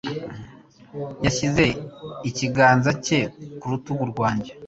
Yashyize ikiganza cye ku rutugu rwanjye.